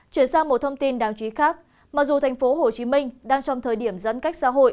chuyển sang một thông tin đáng chú ý khác mặc dù thành phố hồ chí minh đang trong thời điểm dẫn cách xã hội